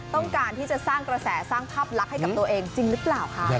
ต้องการที่จะสร้างกระแสสร้างภาพลักษณ์ให้กับตัวเองจริงหรือเปล่าคะ